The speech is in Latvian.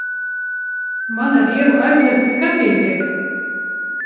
Man ar Ievu aizliegts skatīties!